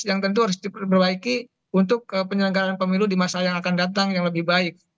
yang tentu harus diperbaiki untuk penyelenggaraan pemilu di masa yang akan datang yang lebih baik